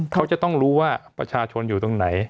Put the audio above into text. เขาจะต้องรู้ว่าประชาชนอยู่ตรงไหน